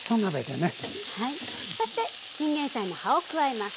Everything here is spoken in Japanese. そしてチンゲンサイの葉を加えます。